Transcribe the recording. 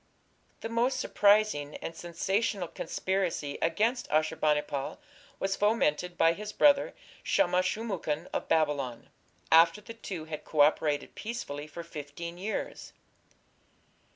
The most surprising and sensational conspiracy against Ashur bani pal was fomented by his brother Shamash shum ukin of Babylon, after the two had co operated peacefully for fifteen years.